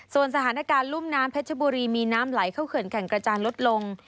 ส่วนสถานการณ์รุ่มน้ำเพชรบุรีมีน้ำไหลเข้าเขื่อนแก่งกระจานลดลง